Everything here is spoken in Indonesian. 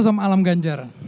saya musim alam ganjar